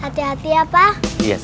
sudah waktunya sur